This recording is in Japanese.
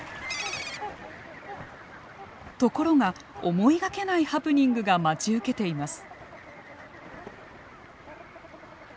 ところが思いがけないハプニングが待ち受けています。